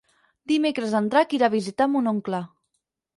Dimecres en Drac irà a visitar mon oncle.